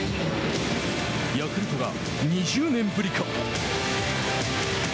ヤクルトが２０年ぶりか。